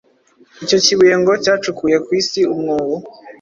icyo kibuye ngo cyacukuye ku isi umwobo